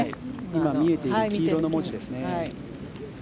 今見えている黄色の文字ですね。